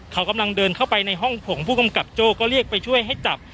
เขากำลังเดินเข้าไปในห้องผงผู้กำกับโจ้ก็เรียกไปช่วยให้จับ